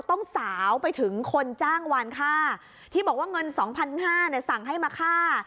ต้องสาวไปถึงคนจ้างวันฆ่าที่บอกว่าเงิน๒๕๐๐บาทสั่งให้มาฆ่า